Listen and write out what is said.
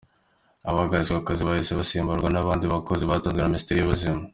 Abahagaritswe ku kazi bahise basimbuzwa abandi bakozi batanzwe na Minisiteri y’Ubuzima.